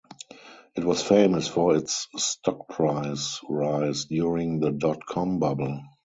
It was famous for its stock price rise during the dot-com bubble.